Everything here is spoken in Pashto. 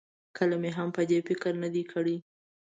کله مې هم په دې فکر نه دی کړی.